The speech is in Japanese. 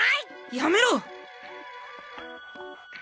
やめろ！